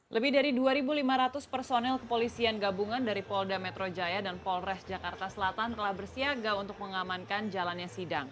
lebih dari dua lima ratus personel kepolisian gabungan dari polda metro jaya dan polres jakarta selatan telah bersiaga untuk mengamankan jalannya sidang